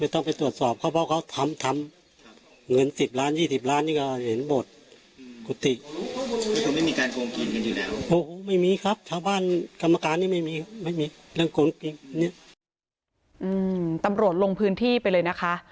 ตำรวจลงพื้นที่ไปเลยนะคะ